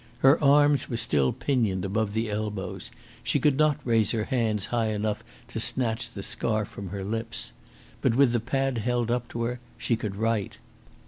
Her arms were still pinioned above the elbows; she could not raise her hands high enough to snatch the scarf from her lips. But with the pad held up to her she could write.